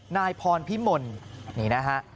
นายพรพิมลนี่นะฮะ